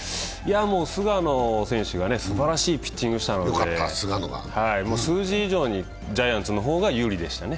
菅野選手がすばらしいピッチングしたので、数字以上にジャイアンツの方が有利でしたね。